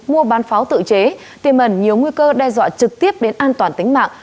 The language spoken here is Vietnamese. mua bán pháo tự chế tiềm ẩn nhiều nguy cơ đe dọa trực tiếp đến an toàn tính mạng